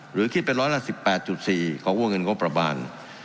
หรือคิดเป็นร้อยละ๑๘๔ของวงเงินงบประมาณ